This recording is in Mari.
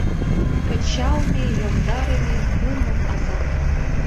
Кычалме, йомдарыме, мумо азап!